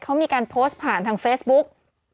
เขามีการโพสต์ผ่านทางเฟซบุ๊ก